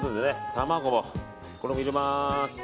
卵もこれも入れます。